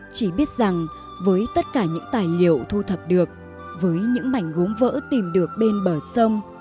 chỉ biết rằng với tất cả những tài liệu thu thập được với những mảnh gốm vỡ tìm được bên bờ sông